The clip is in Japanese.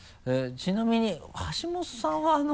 ちなみに橋本さんはあの。